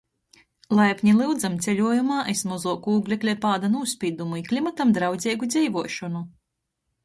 Laipni lyudzam ceļuojumā iz mozuoku ūglekļa pāda nūspīdumu i klimatam draudzeigu dzeivuošonu!